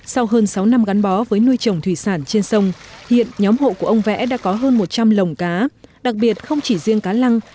sau hơn sáu năm gắn bó với nuôi trồng thủy sản trên sông hiện nhóm hộ của ông vẽ đã có hơn một trăm linh lồng cá đặc biệt không chỉ riêng cá lăng